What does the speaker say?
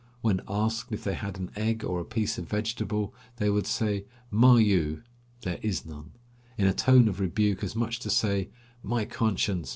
When asked if they had an egg or a piece of vegetable, they would shout "Ma you" ("There is none") in a tone of rebuke, as much as to say: "My conscience